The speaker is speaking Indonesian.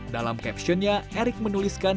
dalam captionnya erick menuliskan